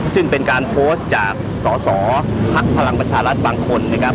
ซึ่งเป็นการโพสต์จากส่อภักดิ์พลังประชาลัศน์บางคน